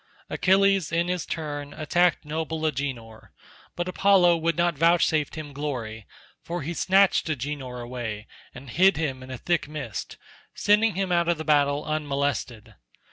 Achilles in his turn attacked noble Agenor, but Apollo would not vouchsafe him glory, for he snatched Agenor away and hid him in a thick mist, sending him out of the battle unmolested.